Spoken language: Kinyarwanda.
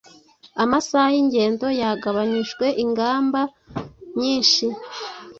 Amasaha y’ingendo yagabanyijwe, ingamba nyinshi